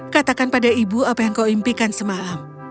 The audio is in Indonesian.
katakan pada ibu apa yang kau impikan semalam